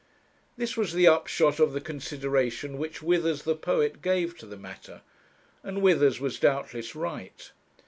This was the upshot of the consideration which Withers, the poet, gave to the matter, and Withers was doubtless right.